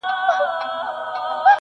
مشر زوى ته يې په ژوند كي تاج پر سر كړ-